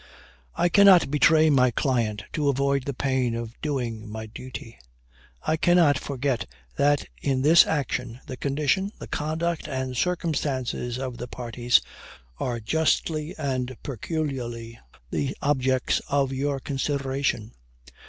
I cannot betray my client, to avoid the pain of doing my duty. I cannot forget that in this action the condition, the conduct, and circumstances of the parties, are justly and peculiarly the objects of your consideration.